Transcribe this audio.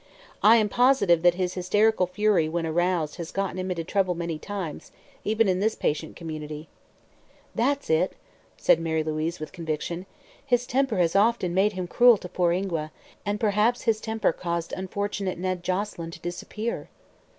I am positive that his hysterical fury, when aroused, has gotten him into trouble many times, even in this patient community." "That's it," said Mary Louise with conviction; "his temper has often made him cruel to poor Ingua, and perhaps his temper caused unfortunate Ned Joselyn to disappear."